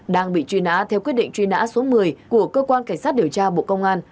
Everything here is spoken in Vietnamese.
đang bị truy nã theo quyết định truy nã số một mươi của cơ quan cảnh sát điều tra bộ công an